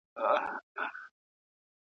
تابلوګاني، قندیلونه ساعتونه.